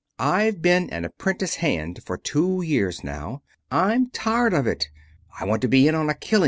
I've been an apprentice hand for two years now. I'm tired of it. I want to be in on a killing.